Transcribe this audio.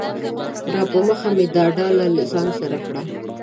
راپه مخه مې دا ډله ځان سره کړه